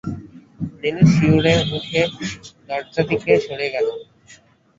নীলু শিউরে উঠে দরজার দিকে সরে গেল।